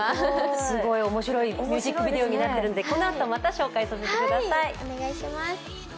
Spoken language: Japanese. すごい面白いミュージックビデオになっているのでこのあとまた紹介させてください。